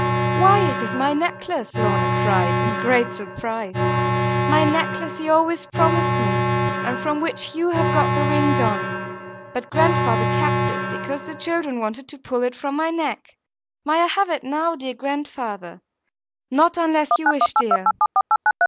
'Why, it is my glass necklace!' Lorna cried, in great surprise; 'my necklace he always promised me; and from which you have got the ring, John. But grandfather kept it, because the children wanted to pull it from my neck. May I have it now, dear grandfather? Not unless you wish, dear.'